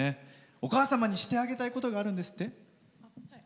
お母様にしてあげたいことがあるんですって？